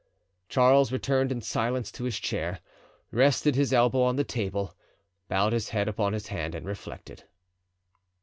Charles returned in silence to his chair, rested his elbow on the table, bowed his head upon his hand and reflected.